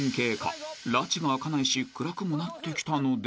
［らちが明かないし暗くもなってきたので］